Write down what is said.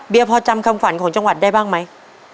พอจำคำฝันของจังหวัดได้บ้างไหม